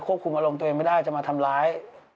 คุมอารมณ์ตัวเองไม่ได้จะมาทำร้าย